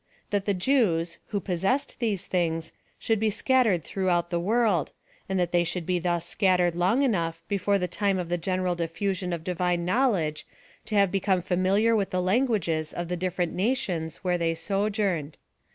That the Jews, who possessed these ideas, should be scattered throughout the world, and tha» they should be thus scattered long enough before the time of the general diffusion of Divine know ledge to have become familiar with the languages of the different nations where they sojourned.